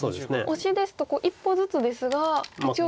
オシですと一歩ずつですが一応。